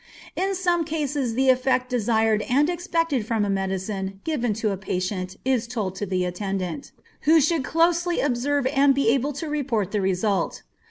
In some cases the effect desired and expected from a medicine given to a patient is told to the attendant, who should closely observe and be able to report the result.